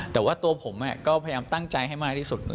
แต่ว่าตัวผมก็พยายามตั้งใจให้มากที่สุด